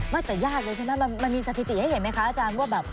ไม่แต่ยากเลยใช่ไหมมันมีสถิติให้เห็นไหมคะอาจารย์ว่าแบบ